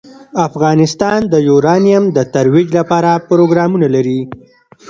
افغانستان د یورانیم د ترویج لپاره پروګرامونه لري.